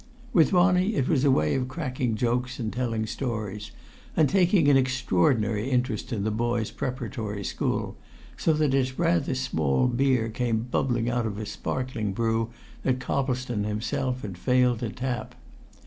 With Ronnie, it was a way of cracking jokes and telling stories, and taking an extraordinary interest in the boy's preparatory school, so that its rather small beer came bubbling out in a sparkling brew that Coplestone himself had failed to tap.